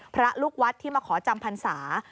พระลูกวัดที่มาขอจำพรรษา